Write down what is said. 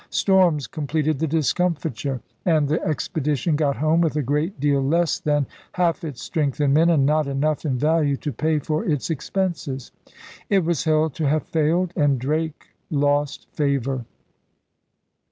Storms completed the discomfiture. And the expedition got home with a great deal less than half its strength in men and not enough in value to pay for its expenses. It was held to have failed; and Drake lost favor.